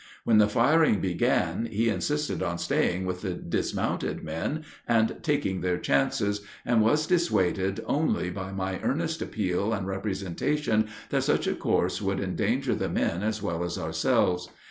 When the firing began he insisted on staying with the dismounted men and taking their chances, and was dissuaded only by my earnest appeal and representation that such a course would endanger the men as well as ourselves.